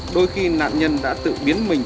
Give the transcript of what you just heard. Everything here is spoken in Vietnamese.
đôi khi nạn nhân đã tự biến mình